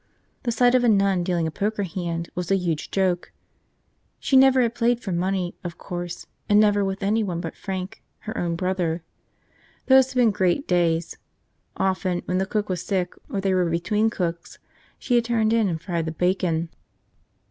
The sight of a nun dealing a poker hand was a huge joke. She never had played for money, of course, and never with anyone but Frank, her own brother. Those had been great days. Often, when the cook was sick or they were between cooks, she had turned in and fried the bacon.